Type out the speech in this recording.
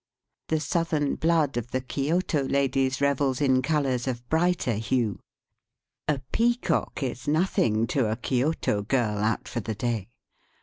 The southern blood of the Kioto ladies revels in colours of brighter hue. A peacock is nothing to a Kioto girl out for the day.